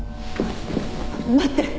待って！